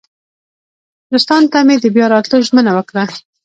دوستانو ته مې د بیا راتلو ژمنه وکړه.